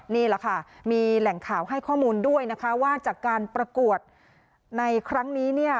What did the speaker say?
นี่แหละค่ะมีแหล่งข่าวให้ข้อมูลด้วยนะคะว่าจากการประกวดในครั้งนี้เนี่ย